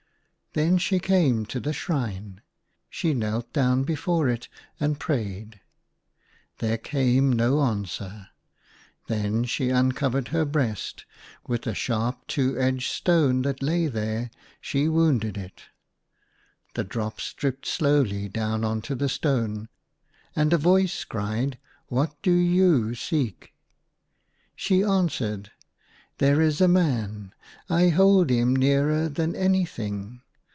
Then she came to the shrine ; she knelt down before it and prayed ; there came no answer. Then she uncovered her breast ; with a sharp two edged stone that lay there she wounded it. The drops dripped slowly down on to the stone, and a voice cried, " What do you seek ?" She answered, " There is a man ; I hold him nearer than anything.